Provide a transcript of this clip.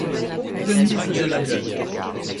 Denis faisait la gueule.